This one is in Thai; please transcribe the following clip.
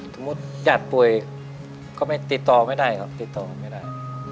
ญาติป่วยก็ไม่ติดต่อไม่ได้ครับติดต่อไม่ได้